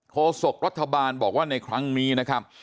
โศกรัฐบาลบอกว่าในครั้งนี้นะครับ